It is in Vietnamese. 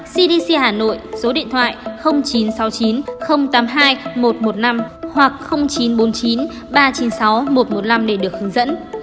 cdc hà nội số điện thoại chín trăm sáu mươi chín tám mươi hai một trăm một mươi năm hoặc chín trăm bốn mươi chín ba trăm chín mươi sáu một trăm một mươi năm để được hướng dẫn